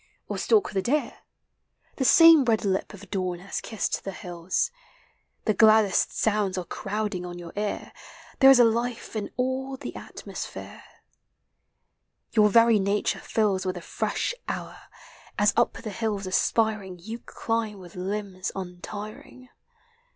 Or stalk the deer; The same red li|> of dawn lias kissr.l the hills, The "laddesi sounds are crowding on your ear, There is a life in all the atmosphere: Your very nature (ills With the fresh hour, as up the hlllfl aspirii You climb with limbs untiring.